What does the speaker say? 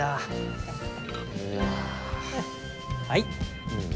はい。